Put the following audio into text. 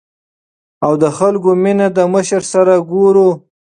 او د خلکو مينه د مشر سره ګورو ـ